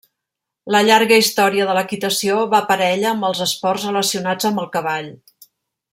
La llarga història de l'equitació va parella amb els esports relacionats amb el cavall.